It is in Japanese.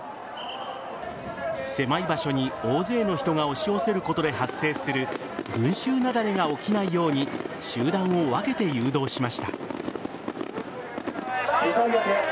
狭い場所に大勢の人が押し寄せることで発生する群衆雪崩が起きないように集団を分けて誘導しました。